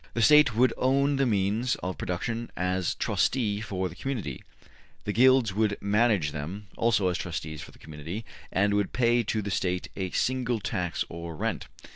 ``The State would own the means of production as trustee for the community; the Guilds would manage them, also as trustees for the community, and would pay to the State a single tax or rent.